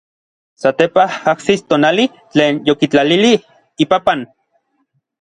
Satepaj ajsis tonali tlen yokitlalilij ipapan.